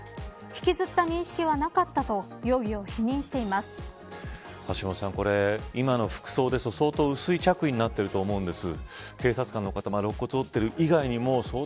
引きずった認識はなかったと橋下さん、今の服装ですと相当、薄い着衣になってると思うんです。